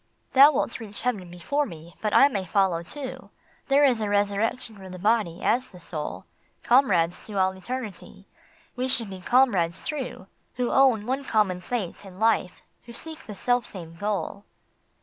" Thou wilt reach heaven before me, but I may follow too. There is a resurrection for the Body, as the Soul ; Comrades to all eternity, we should be comrades true Who own one common fate and life, who seek the self same goal.